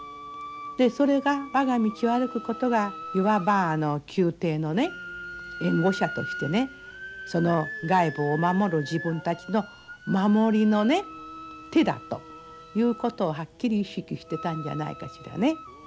それが我が道を歩くことがいわば宮廷の援護者として外部を守る自分たちの守りの手だということをはっきり意識してたんじゃないかしらね。